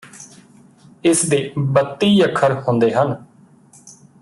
ਇਸ ਦੇ ਬੱਤੀ ਅੱਖਰ ਹੁੰਦੇ ਹਨ